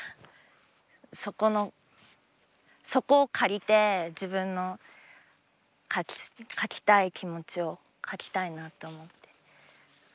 そこのそこを借りて自分の描きたい気持ちを描きたいなって思って。